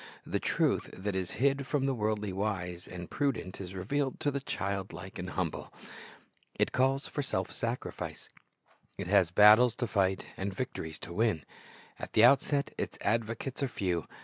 The truth that is hid from the worldly wise and prudent is revealed to the child like and humble. It calls for self sacrifice. It has battles to fight and victories to win. At the outset its advocates are few.